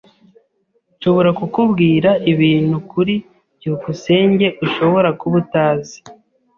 Nshobora kukubwira ibintu kuri byukusenge ushobora kuba utazi.